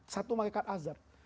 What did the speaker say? satu malaikat azab